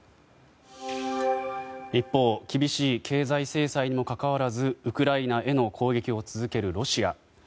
一方、厳しい経済制裁にもかかわらずウクライナへの攻撃を続けるロシア。